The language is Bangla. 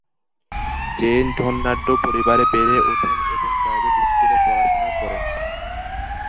জেন ধনাঢ্য পরিবারে বেড়ে ওঠেন এবং প্রাইভেট স্কুলে পড়াশোনা করেন।